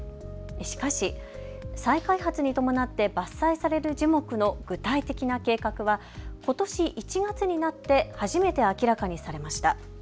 しかし、再開発に伴って伐採される樹木の具体的な計画はことし１月になって初めて明らかにされました。